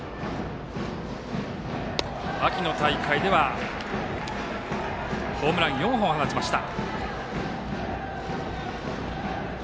秋の大会ではホームラン４本を放ちました。